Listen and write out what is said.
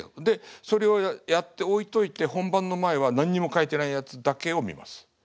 でそれをやって置いといて本番の前は何にも書いてないやつだけを見ます。